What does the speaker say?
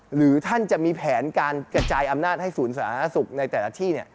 หรือท่านจะมีแผนการกระจายอำนาจให้ศูนย์สาธารณสุขในแต่ละที่